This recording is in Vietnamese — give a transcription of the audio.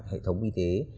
hệ thống y tế